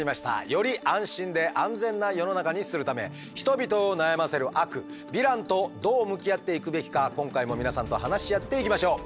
より安心で安全な世の中にするため人々を悩ませる悪ヴィランとどう向き合っていくべきか今回も皆さんと話し合っていきましょう。